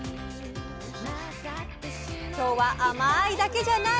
今日は甘いだけじゃない！